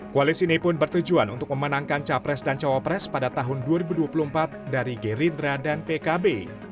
koalisi ini pun bertujuan untuk memenangkan capres dan cawapres pada tahun dua ribu dua puluh empat dari gerindra dan pkb